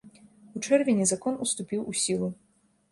У чэрвені закон уступіў у сілу.